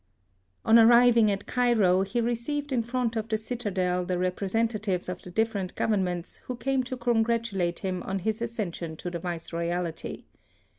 On arriving at Cairo he received in front of the citadel the representatives of the dif ferent Governments who came to congratu late him on his accession to the viceroy alty.